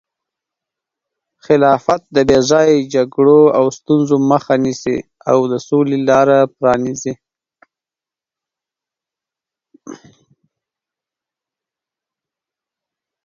خلافت د بې ځایه جګړو او ستونزو مخه نیسي او د سولې لاره پرانیزي.